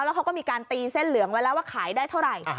แล้วเขาก็มีการตีเส้นเหลืองไว้แล้วว่าขายได้เท่าไหร่